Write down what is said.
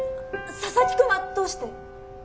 佐々木くんはどうして？